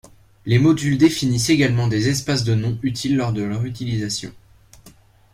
Les modules définissent également des espaces de noms utiles lors de leur utilisation.